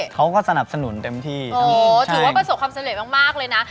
เขาก็สนับสนุนเต็มที่โอ้โหถือว่าประสบความสำเร็จมากเลยนะ